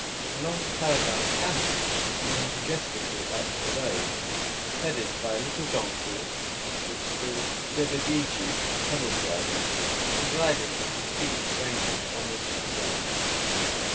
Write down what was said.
A long caravan of camels was moving majestically up the road, headed by a little donkey, which the devedejee (camel driver) was riding with his feet dangling almost to the ground.